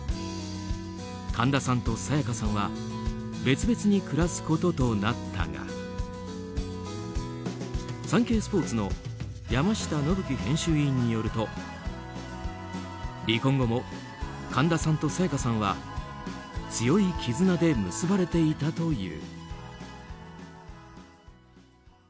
神田さんと沙也加さんは別々に暮らすこととなったがサンケイスポーツの山下伸基編集委員によると離婚後も神田さんと沙也加さんは強い絆で結ばれていたという。